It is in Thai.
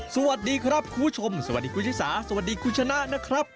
สวัสดีครับคุณผู้ชมสวัสดีคุณชิสาสวัสดีคุณชนะนะครับ